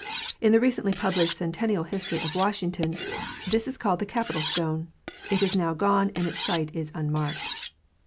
In the recently published centennial history of Washington this is called the Capitol stone. It is now gone and its site is unmarked.